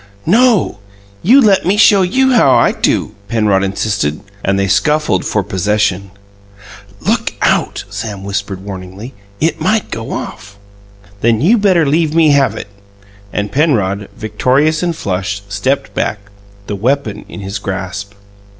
"No; you let me show you how I do!" Penrod insisted; and they scuffled for possession. "Look out!" Sam whispered warningly. "It might go off." "Then you better leave me have it!" And Penrod, victorious and flushed, stepped back, the weapon in his grasp.